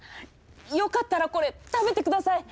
よかったらこれ食べてください。